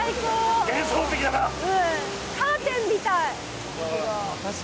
カーテンみたい。